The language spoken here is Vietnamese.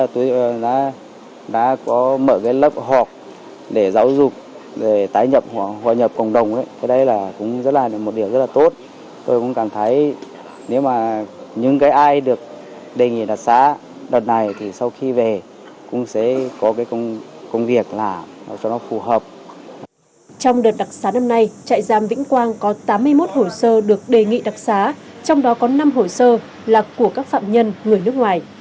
trong đợt đặc sá năm nay trại giam vĩnh quang có tám mươi một hồ sơ được đề nghị đặc sá trong đó có năm hồ sơ là của các phạm nhân người nước ngoài